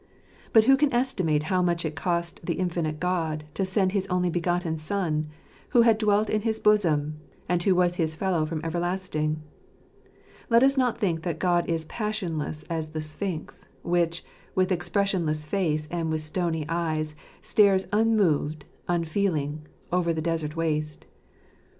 But who can estimate how much it cost the Infinite God to send his only begotten Son, who had dwelt in his bosom, and who was his Fellow from everlast ing? Let us not think that God is passionless as the sphinx, which, with expressionless face and with stony eyes, stares unmoved, unfeeling, over the desert waste.